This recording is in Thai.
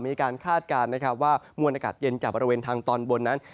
มีการคาดการณ์ว่ามวลอากาศเย็นจากบริเวณทางตอนบนนั้น